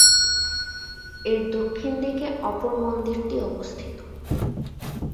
এর দক্ষিণ দিকে অপর মন্দিরটি অবস্থিত।